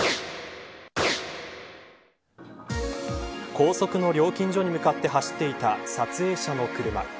高速の料金所に向かって走っていた撮影者の車。